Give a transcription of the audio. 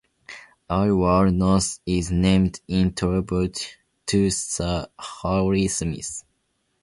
Aliwal North is named in tribute to Sir Harry Smith.